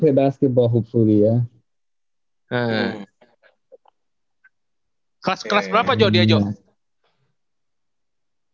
kelas kelas berapa joe dia joe